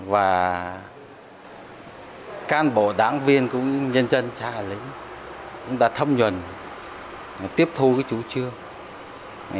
và can bộ đảng viên của nhân dân xã hội lĩnh đã thâm nhuận tiếp thu cái chú chương